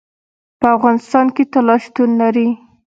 په افغانستان کې طلا شتون لري.